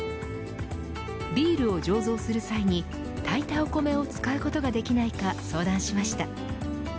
ビールを醸造する際に炊いたお米を使うことができないか、相談しました。